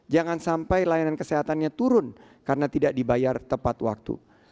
jangan sampai layanan kesehatannya turun karena tidak dibayar tepat waktu